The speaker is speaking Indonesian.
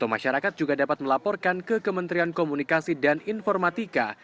masyarakat juga dapat melaporkan ke kementerian komunikasi dan informatika